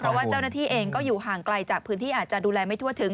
เพราะว่าเจ้าหน้าที่เองก็อยู่ห่างไกลจากพื้นที่อาจจะดูแลไม่ทั่วถึง